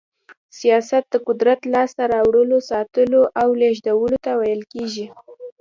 سياست د قدرت لاسته راوړلو، ساتلو او لېږدولو ته ويل کېږي.